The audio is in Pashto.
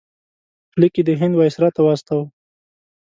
لیک یې د هند وایسرا ته واستاوه.